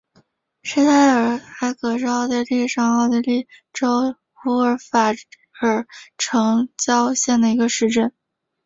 施泰尔埃格是奥地利上奥地利州乌尔法尔城郊县的一个市镇。